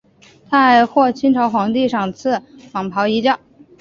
他还获清朝皇帝赏赐蟒袍衣料。